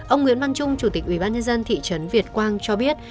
ông nguyễn văn trung chủ tịch ubnd thị trấn việt quang cho biết